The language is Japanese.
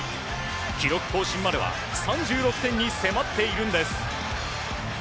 記録更新までは３６得点に迫っているんです。